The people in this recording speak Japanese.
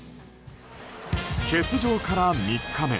欠場から３日目。